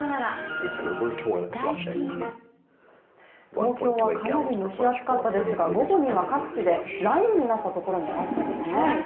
東京はかなり蒸し暑かったですが、午後には各地で雷雨になったところもあったんですね。